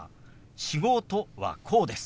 「仕事」はこうです。